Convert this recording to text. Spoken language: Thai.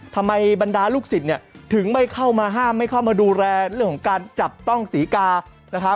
บรรดาลูกศิษย์ถึงไม่เข้ามาห้ามไม่เข้ามาดูแลเรื่องของการจับต้องศรีกานะครับ